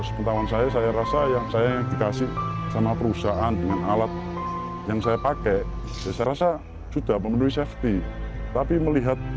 sampai jumpa di video selanjutnya